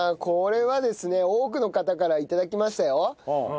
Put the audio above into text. これはですね多くの方から頂きましたよ。